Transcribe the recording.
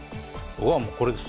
僕はもうこれです。